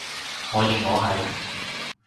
我認我係